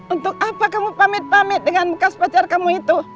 untuk apa kamu pamit pamit dengan bekas pacar kamu itu